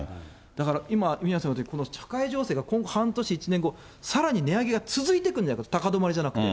だから今、宮根さん言ったように、社会情勢がこの半年、１年後、さらに値上げが続いていくんじゃないか、高止まりじゃなくて。